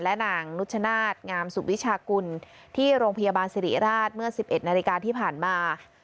และนางนุชนาธิ์งามสุวิชากุลที่โรงพยาบาลสิริราชเมื่อ๑๑นาฬิกาที่ผ่านมา